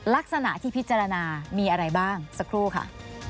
ลักษณะที่พิจารณามีอะไรบ้างสักครู่ค่ะ